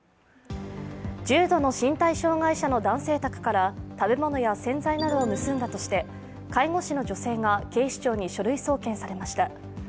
重度の身体障害者の男性宅から食べ物や洗剤などを盗んだとして、介護士の女性が警視庁に書類送検されました。